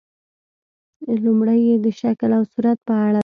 لومړۍ یې د شکل او صورت په اړه ده.